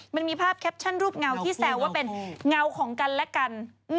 มันมีภาพแคปชั่นรูปเงาที่แซวว่าเป็นเงาของกันและกัน